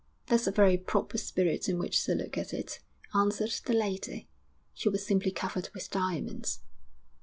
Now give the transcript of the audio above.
'That's a very proper spirit in which to look at it,' answered the lady.... 'She was simply covered with diamonds.'